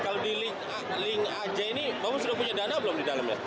kalau di link aja ini bapak sudah punya dana belum di dalamnya